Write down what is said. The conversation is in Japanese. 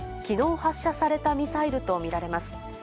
きのう発射されたミサイルと見られます。